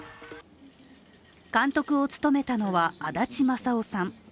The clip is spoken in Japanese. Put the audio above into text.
監督を務めたのは、足立正生さん。